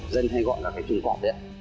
dân hay gọi là cái trùng cọp đấy